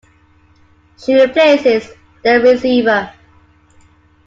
She replaces the receiver.